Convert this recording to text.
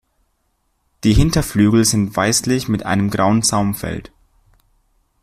Die Hinterflügel sind weißlich mit einem grauen Saumfeld.